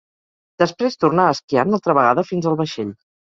Després tornà esquiant altra vegada fins al vaixell.